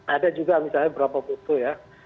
ada juga misalnya beberapa foto ya